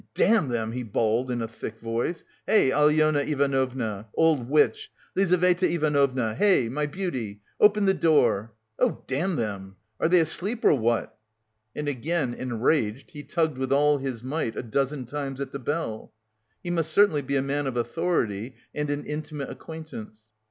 D damn them!" he bawled in a thick voice, "Hey, Alyona Ivanovna, old witch! Lizaveta Ivanovna, hey, my beauty! open the door! Oh, damn them! Are they asleep or what?" And again, enraged, he tugged with all his might a dozen times at the bell. He must certainly be a man of authority and an intimate acquaintance.